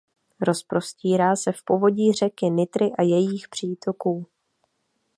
Rozprostírá se v povodí řeky Nitry a jejích přítoků.